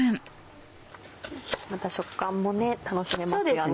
また食感も楽しめますよね。